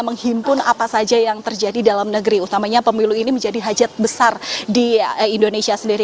menghimpun apa saja yang terjadi dalam negeri utamanya pemilu ini menjadi hajat besar di indonesia sendiri